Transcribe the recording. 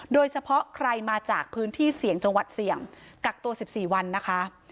โดยเฉพาะใครมาจากพื้นที่เสี่ยงจังหวัดเสี่ยงกักตัว๑๔วันนะคะ